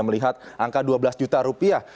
melihat angka dua belas juta rupiah